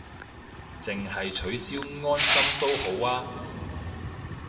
淨係取消安心都好吖